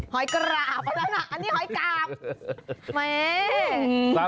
หอยกราบอันนี้หอยกราบ